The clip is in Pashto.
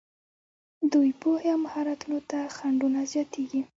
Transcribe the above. دوی پوهې او مهارتونو ته خنډونه زیاتېږي.